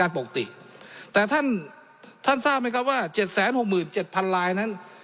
การปกติแต่ท่านท่านทราบไหมครับว่าเจ็ดแสนหกหมื่นเจ็ดพันลายนั้น